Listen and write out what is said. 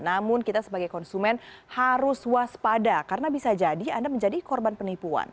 namun kita sebagai konsumen harus waspada karena bisa jadi anda menjadi korban penipuan